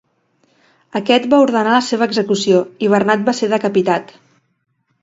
Aquest va ordenar la seva execució i Bernat va ser decapitat.